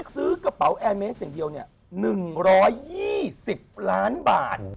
ซื้อกระเป๋าแอร์เมสอย่างเดียว๑๒๐ล้านบาท